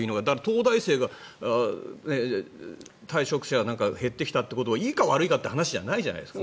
東大生が退職者が減ってきたということはいいか悪いかって話じゃないじゃないですか。